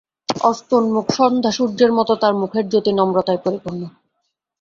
অস্তোন্মুখ সন্ধ্যাসূর্যের মতো তাঁর মুখের জ্যোতি নম্রতায় পরিপূর্ণ।